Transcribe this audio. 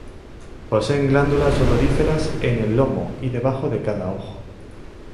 Poseen glándulas odoríferas en el lomo y debajo de cada ojo.